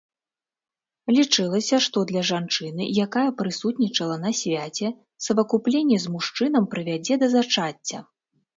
Лічылася, што для жанчыны, якая прысутнічала на свяце, савакупленне з мужчынам прывядзе да зачацця.